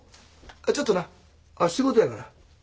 ちょっとな仕事やから。